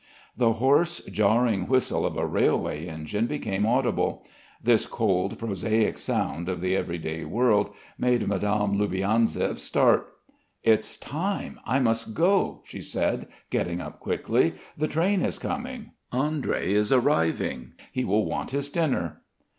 The hoarse, jarring whistle of a railway engine became audible. This cold, prosaic sound of the everyday world made Madame Loubianzev start. "It's time, I must go," she said, getting up quickly. "The train is coming. Audrey is arriving. He will want his dinner."